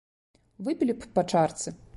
Выпілі б па чарцы.